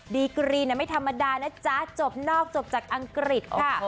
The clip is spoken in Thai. ดีกรีนไม่ธรรมดานะจ๊ะจบนอกจบจากอังกฤษค่ะ